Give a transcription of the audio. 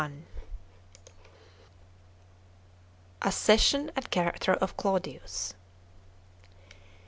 — ACCESSION AND CHABAOTEB OP CLAUDIUS.